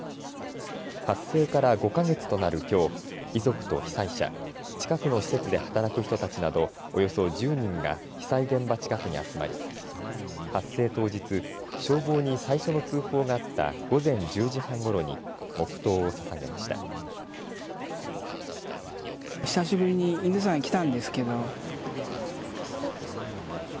発生から５か月となるきょう、遺族と被災者、近くの施設で働く人たちなどおよそ１０人が被災現場近くに集まり、発生当日、消防に最初の通報があった午前１０時半ごろに黙とうをささげました。